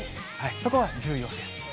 そこ、重要です。